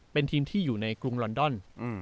เป็นทีมที่อยู่ในกรุงลอนดอน